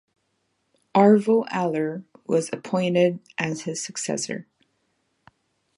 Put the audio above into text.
Arvo Aller was appointed as his successor.